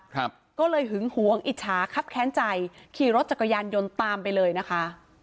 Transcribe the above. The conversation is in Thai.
ครับก็เลยหึงหวงอิจฉาครับแค้นใจขี่รถจักรยานยนต์ตามไปเลยนะคะ